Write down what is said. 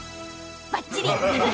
ばっちり！